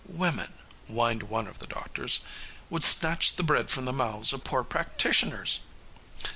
"Women," whined one of the doctors, "would snatch the bread from the mouths of poor practitioners."